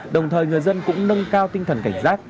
đồng thời người dân cũng nâng cao tinh thần cảnh giác